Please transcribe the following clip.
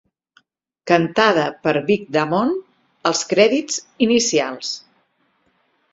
Cantada per Vic Damone als crèdits inicials.